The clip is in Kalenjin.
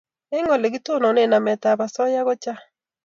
Eng' ole kitononi namet ab asoya ko chang'